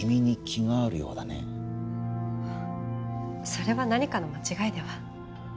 それは何かの間違いでは？